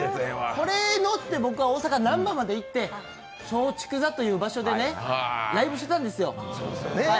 これに乗って僕は大阪なんばまで行って松竹座という場所でライブしてたんですよ。